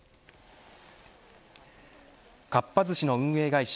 かっぱ寿司の運営会社